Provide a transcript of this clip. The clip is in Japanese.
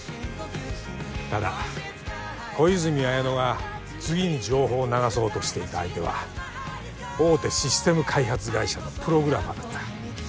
ただ小泉文乃が次に情報を流そうとしていた相手は大手システム開発会社のプログラマーだった。